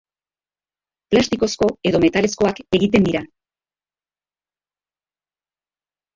Plastikozko edo metalezkoak egiten dira.